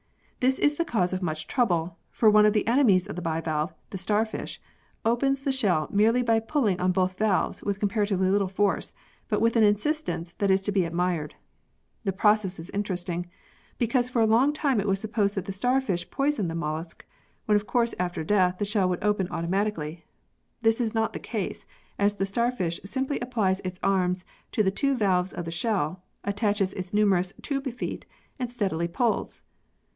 This is the cause of much trouble, for one of the enemies of the bivalve, the starfish, opens the shell merely by pulling on both valves with comparatively little force, but with an insistence that is to be admired. The process is interesting, because for a long time it was supposed that the starfish poisoned the mollusc, when of course after death the shell would open auto matically. This is not the case, as the starfish simply applies its arms to the two valves of the shell, attaches its numerous " tube feet " and steadily pulls.